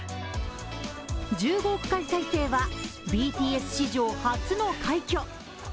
１５億回再生はＢＴＳ史上初の快挙。